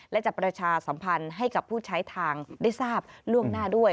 และจะประชาสัมพันธ์ให้กับผู้ใช้ทางได้ทราบล่วงหน้าด้วย